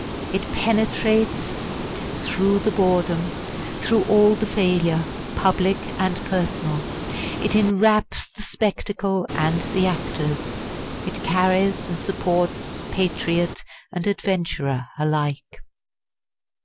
It penetrates through the boredom, through all the failure, public and personal; it enwraps the spectacle and the actors; it carries and supports patriot and adventurer alike.